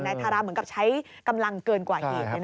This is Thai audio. ทาราเหมือนกับใช้กำลังเกินกว่าเหตุ